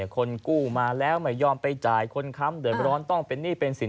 คนกู้มาแล้วไม่ยอมไปจ่ายคนค้ำเดินร้อนต้องเป็นหนี้เป็นสิน